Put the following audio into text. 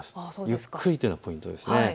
ゆっくりというのがポイントです。